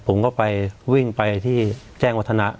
ผมก็ไปวิ่งไปที่แจ้งวัฒนะ